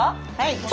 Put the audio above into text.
はい。